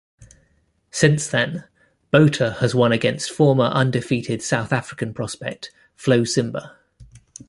Since then, Botha has won against former undefeated South African prospect Flo Simba.